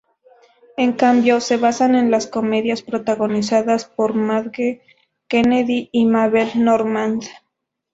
En cambio, se basan en las comedias protagonizadas por Madge Kennedy y Mabel Normand.